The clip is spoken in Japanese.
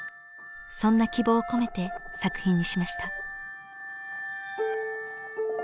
そんな希望を込めて作品にしました。